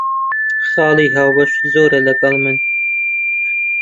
خاڵی هاوبەشت زۆرە لەگەڵ من.